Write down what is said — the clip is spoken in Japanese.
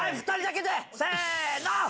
せの！